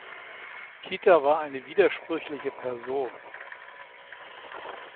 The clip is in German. Kita war eine widersprüchliche Person.